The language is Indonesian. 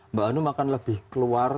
mbak hanum akan lebih keluar